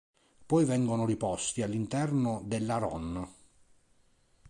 Poi vengono riposti all'interno dell'Aron.